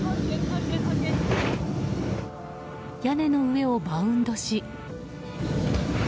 屋根の上をバウンドし。